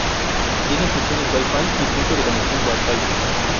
Tiene funciones WiFi y de punto de conexión WiFi.